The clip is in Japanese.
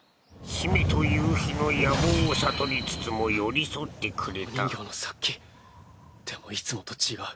姫と夕日の野望を悟りつつも寄り添ってくれたでもいつもと違う。